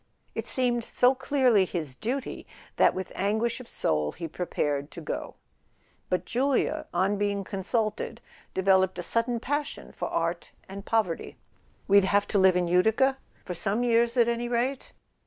It seemed so clearly his duty that, with anguish of soul, he prepared to go; but Julia, on being consulted, developed a sudden passion for art and poverty. "We'd have to live in Utica—for some years at any rate?"